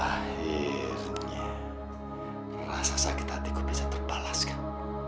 akhirnya rasa sakit hatiku bisa terbalaskan